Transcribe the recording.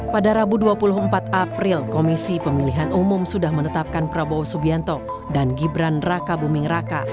pada rabu dua puluh empat april komisi pemilihan umum sudah menetapkan prabowo subianto dan gibran raka buming raka